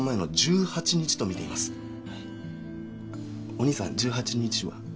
お兄さん１８日は？